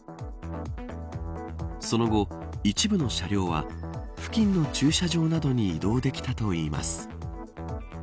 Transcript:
その後、一部の車両は付近の駐車場などに移動できたといいます。